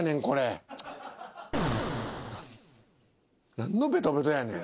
何のベトベトやねん。